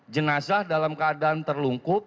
jenazah dalam keadaan terlungkup